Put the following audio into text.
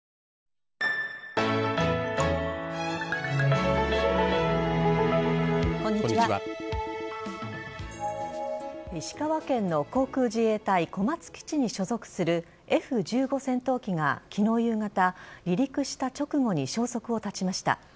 石川県の航空自衛隊小松基地に所属するＦ１５戦闘機が、きのう夕方、離陸した直後に消息を絶ちました。